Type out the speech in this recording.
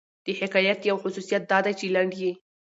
د حکایت یو خصوصیت دا دئ، چي لنډ يي.